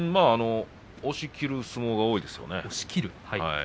押しきる相撲が多いですよね。